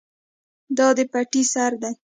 دا د پټی سر دی.